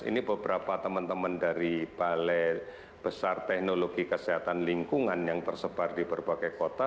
ini beberapa teman teman dari balai besar teknologi kesehatan lingkungan yang tersebar di berbagai kota